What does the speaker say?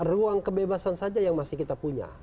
ruang kebebasan saja yang masih kita punya